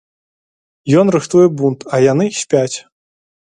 Ён рыхтуе бунт, а яны спяць.